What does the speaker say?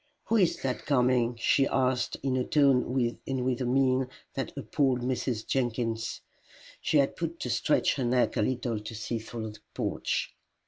"Who is that coming?" she asked, in a tone and with a mien that appalled Mrs. Jenkins. She had but to stretch her neck a little to see through the porch.